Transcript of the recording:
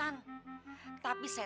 bukannya mau ngomongkan perhiasan